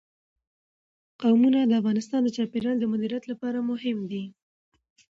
قومونه د افغانستان د چاپیریال د مدیریت لپاره مهم دي.